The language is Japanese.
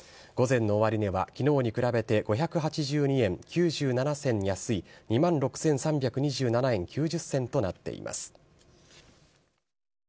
午前の終値はきのうに比べて５８２円９７銭安い、２万６３２７円９０銭となっています。